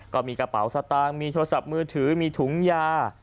ก็มีกระเป๋าสตางค์มีโทรศัพท์มือถือมีถุงยา